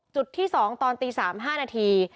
จุดที่๒ตอนตี๓๕นาที